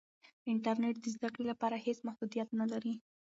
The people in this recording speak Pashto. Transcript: انټرنیټ د زده کړې لپاره هېڅ محدودیت نه لري.